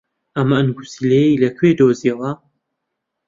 ئەم ئەنگوستیلەیەی لەکوێ دۆزییەوە؟